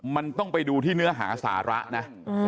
มันต้องไปดูที่เนื้อหาสาระนะ